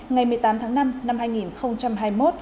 ngày một mươi tám tháng năm năm hai nghìn hai mươi một